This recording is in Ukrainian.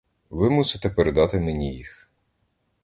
Ви мусите передати мені їх.